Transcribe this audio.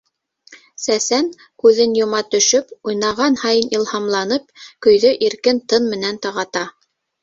Сәсән, күҙен йома төшөп, уйнаған һайын илһамланып, көйҙө иркен тын менән тағата.